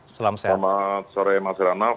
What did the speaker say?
selamat sore mas ranaf